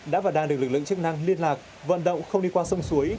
đã và đang được lực lượng chức năng liên lạc vận động không đi qua sông suối